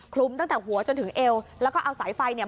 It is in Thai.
ตั้งแต่หัวจนถึงเอวแล้วก็เอาสายไฟเนี่ย